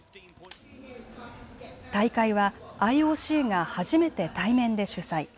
大会はＩＯＣが初めて対面で主催。